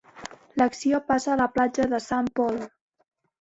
L'acció passa a la platja de Sant Pol.